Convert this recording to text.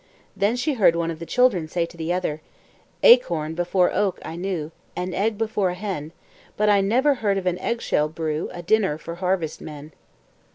Then she heard one of the children say to the other: Acorn before oak I knew, An egg before a hen, But I never heard of an eggshell brew A dinner for harvest men.